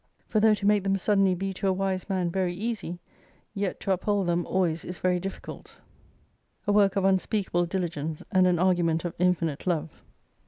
For though to make them suddenly be to a wise man very easy : yet to uphold them always is very difficult, a work of un speakable diligence, and an argument of infinite love.